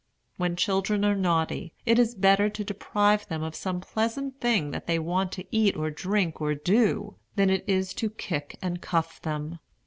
When children are naughty, it is better to deprive them of some pleasant thing that they want to eat or drink or do, than it is to kick and cuff them.